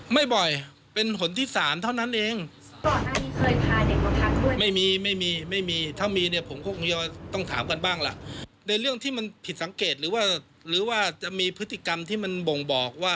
มันผิดสังเกตหรือว่าหรือว่าจะมีพฤติกรรมที่มันบ่งบอกว่า